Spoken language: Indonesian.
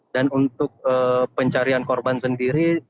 dan untuk pencarian korban sendiri